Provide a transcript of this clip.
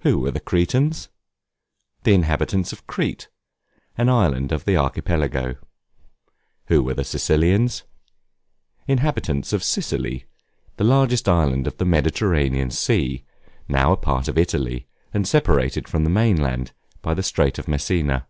Who were the Cretans? The inhabitants of Crete, an island of the Archipelago. Who were the Sicilians? Inhabitants of Sicily, the largest island of the Mediterranean Sea, now a part of Italy, and separated from the mainland by the Strait of Messina.